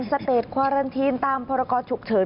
สเตจควารันทีนตามพรกรฉุกเฉิน